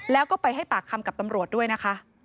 แล้วก็ไปให้ปากคำกับตำรวจด้วยนะคะ